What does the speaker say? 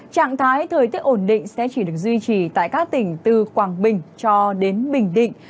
trạng thái thời tiết ổn định sẽ chỉ được duy trì tại các tỉnh từ quảng bình cho đến bình định